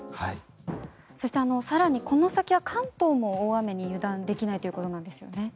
そして、更にこの先は関東も大雨に油断できないということですね。